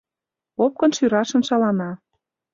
Опкын шӱрашын шалана.